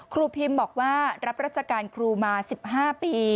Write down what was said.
ครูพิมบอกว่ารับราชการครูมา๑๕ปี